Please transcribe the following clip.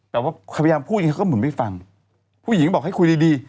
แต่ว่าพยายามพูดอย่างนี้เขาก็เหมือนไม่ฟังผู้หญิงบอกให้คุยดี